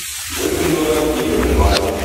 Бер көн бара, ике көн бара.